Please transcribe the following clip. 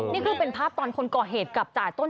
นี่คือเป็นภาพตอนคนก่อเหตุกับจ่าต้น